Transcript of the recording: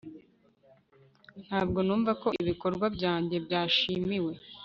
Ntabwo numva ko ibikorwa byanjye byashimiwe